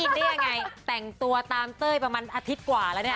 ได้ยังไงแต่งตัวตามเต้ยประมาณอาทิตย์กว่าแล้วเนี่ย